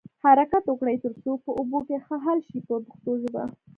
حرکت ورکړئ تر څو په اوبو کې ښه حل شي په پښتو ژبه.